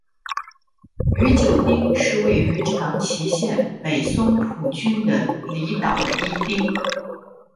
宇久町是位于长崎县北松浦郡的离岛的一町。